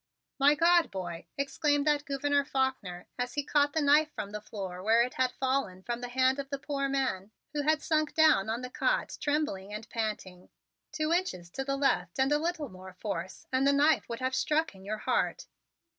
"My God, boy!" exclaimed that Gouverneur Faulkner as he caught the knife from the floor where it had fallen from the hand of the poor man who had sunk down on the cot, trembling and panting. "Two inches to the left and a little more force and the knife would have stuck in your heart."